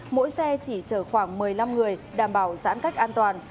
mỗi xe chỉ chở khoảng một mươi năm người đảm bảo giãn cách an toàn